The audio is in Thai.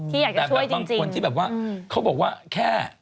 ที่อยากจะช่วยจริงแต่บางคนที่แบบว่าเขาบอกว่าแค่